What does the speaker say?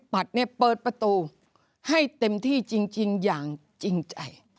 ปัดเนี่ยเปิดประตูให้เต็มที่จริงจริงอย่างจริงใจ